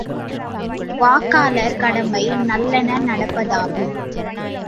வாக்காளர் கடமை நல்லன நடப்பதாகுக!